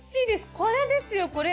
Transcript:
これですよこれ。